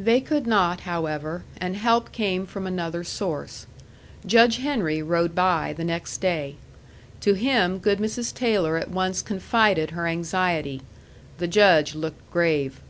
They could not, however; and help came from another source. Judge Henry rode by the next day. To him good Mrs. Taylor at once confided her anxiety. The Judge looked grave.